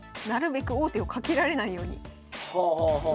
なるべく王手をかけられないように。